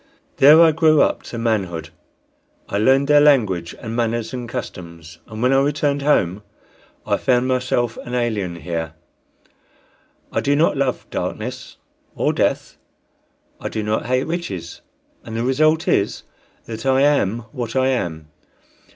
There I grew up to manhood. I learned their language and manners and customs, and when I returned home I found myself an alien here: I do not love darkness or death, I do not hate riches, and the result is that I am what I am.